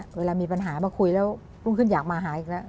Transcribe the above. เวลามีปัญหามาคุยแล้วรุ่งขึ้นอยากมาหาอีกแล้ว